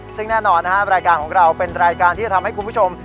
ซึ่งแน่นอนนะครับรายการของเราเป็นรายการที่จะทำให้คุณผู้ชม